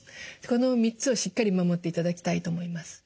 この３つをしっかり守っていただきたいと思います。